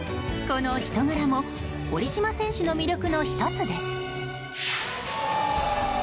この人柄も堀島選手の魅力の１つです。